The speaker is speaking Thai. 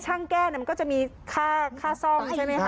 แก้มันก็จะมีค่าซ่อมใช่ไหมคะ